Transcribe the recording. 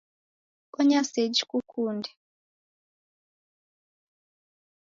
Bonya seji kukunde.